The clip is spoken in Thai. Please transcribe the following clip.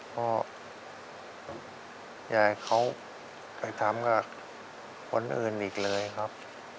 ก็อย่าให้เขาไปทำกับคนอื่นอีกเลยครับ